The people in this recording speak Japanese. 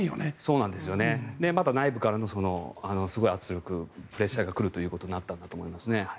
また内部からのすごい圧力プレッシャーが来るということになったんだと思いますね。